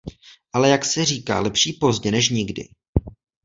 Ale jak se říká, lepší pozdě než nikdy.